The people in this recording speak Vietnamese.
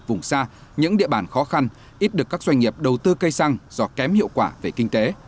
vùng xa những địa bàn khó khăn ít được các doanh nghiệp đầu tư cây xăng do kém hiệu quả về kinh tế